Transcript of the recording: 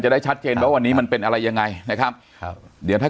ได้ชัดเจนว่าวันนี้มันเป็นอะไรยังไงนะครับครับเดี๋ยวถ้า